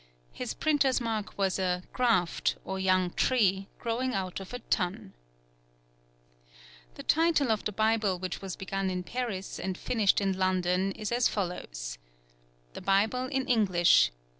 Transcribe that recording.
His printer's mark was a graft, or young tree, growing out of a tun. The title of the Bible which was begun in Paris and finished in London is as follows: _The Byble in Englyshe.